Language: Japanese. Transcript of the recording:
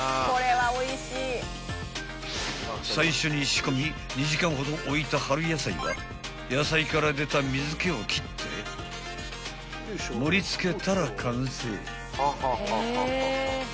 ［最初に仕込み２時間ほど置いた春野菜は野菜から出た水気を切って盛り付けたら完成］